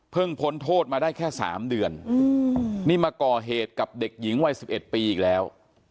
พ้นโทษมาได้แค่๓เดือนนี่มาก่อเหตุกับเด็กหญิงวัย๑๑ปีอีกแล้ว